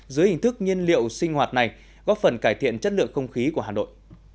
dưới hình thức nhiên liệu sinh hoạt này góp phần cải thiện chất lượng không khí của hà nội